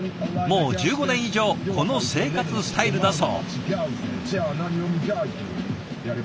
もう１５年以上この生活スタイルだそう。